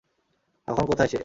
এখন কোথায় সে?